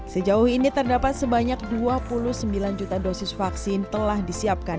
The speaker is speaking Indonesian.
sejauh ini terdapat sebanyak dua puluh sembilan juta dosis vaksin telah disiapkan